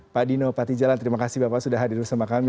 pak dino patijalan terima kasih bapak sudah hadir bersama kami